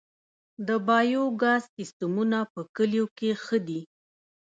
د بایو ګاز سیستمونه په کلیو کې ښه دي